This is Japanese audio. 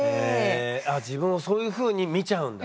あ自分をそういうふうに見ちゃうんだ。